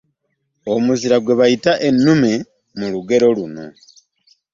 Omuzira gwe bayita ennume mu lugero luno .